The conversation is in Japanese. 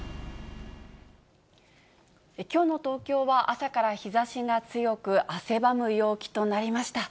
きょうの東京は朝から日ざしが強く、汗ばむ陽気となりました。